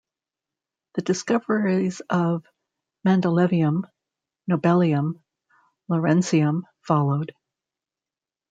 The discoveries of mendelevium, nobelium, lawrencium followed.